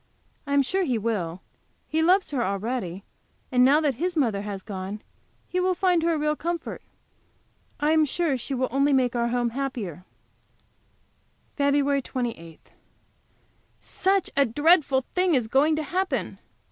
I am sure he will; he loves her already, and now that his mother has gone he will find her a real comfort. I am sure she will only make our home the happier. FEB. 28. Such a dreadful thing is going to happen!